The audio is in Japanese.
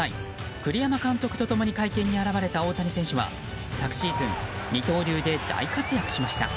栗山監督と共に会見に現れた大谷選手は昨シーズン二刀流で大活躍しました。